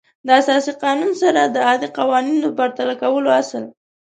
د اساسي قانون سره د عادي قوانینو د پرتله کولو اصل